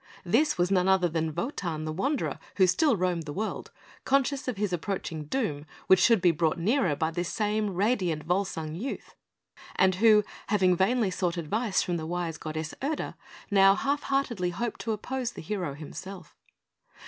This was none other than Wotan, the Wanderer, who still roamed the world, conscious of his approaching doom, which should be brought nearer by this same radiant Volsung youth, and who, having vainly sought advice from the wise goddess Erda, now half heartedly hoped to oppose the hero himself.